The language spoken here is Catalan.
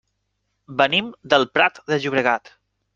Venim del Prat de Llobregat.